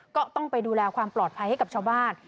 ก็ต้องไปดูแลความปลอดภัยให้กับชาวบ้าน